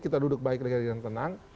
kita duduk baik rehat dan tenang